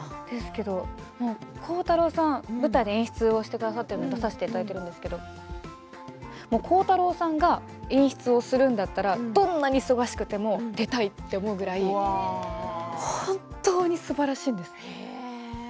吉田鋼太郎さん、舞台で演出しているのに出させていただいたんですが鋼太郎さんが演出をするんだったらどんなに忙しくても出たいと思うぐらい本当にすばらしいんです。